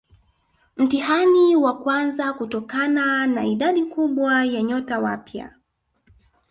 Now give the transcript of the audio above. Mtihani wa kwanza kutokana na idadi kubwa ya nyota wapya